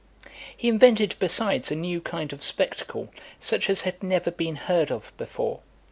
XIX. He invented besides a new kind of spectacle, such as had never been heard of before.